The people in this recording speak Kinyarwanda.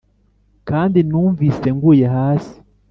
kandi numvise nguye hasi